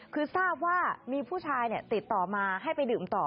คือทราบว่ามีผู้ชายติดต่อมาให้ไปดื่มต่อ